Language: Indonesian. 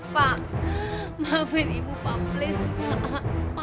pak maafin ibu pak please pak